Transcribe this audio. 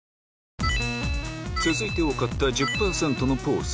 続いて多かった１０％のポーズ